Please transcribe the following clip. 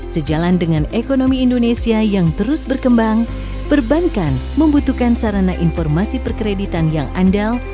sejalan dengan ekonomi indonesia yang terus berkembang perbankan membutuhkan sarana informasi perkreditan yang andal